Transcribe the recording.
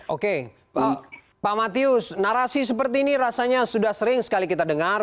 oke pak matius narasi seperti ini rasanya sudah sering sekali kita dengar